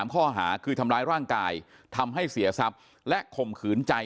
ข้อหาคือทำร้ายร่างกายทำให้เสียทรัพย์และข่มขืนใจ